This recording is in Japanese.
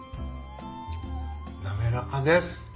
滑らかです。